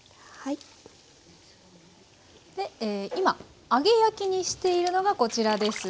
今揚げ焼きにしているのがこちらです。